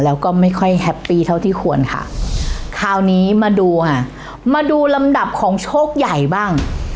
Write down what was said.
แล้วก็ไม่ค่อยแฮปปี้เท่าที่ควรค่ะคราวนี้มาดูค่ะมาดูลำดับของโชคใหญ่บ้าง